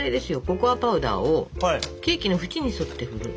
ココアパウダーをケーキの縁に沿って振る。